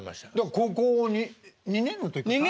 高校２年の時かな？